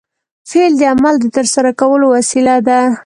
فعل د عمل د ترسره کولو وسیله ده.